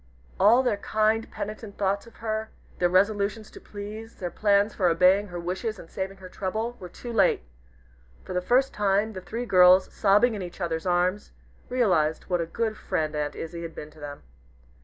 All their kind, penitent thoughts of her; their resolutions to please their plans for obeying her wishes and saving her trouble, were too late! For the first time, the three girls, sobbing in each other's arms, realized what a good friend Aunt Izzie had been to them.